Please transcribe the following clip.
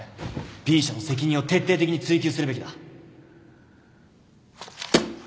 Ｂ 社の責任を徹底的に追及するべきだ